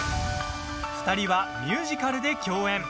２人は、ミュージカルで共演。